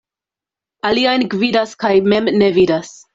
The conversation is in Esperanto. Aliajn gvidas kaj mem ne vidas.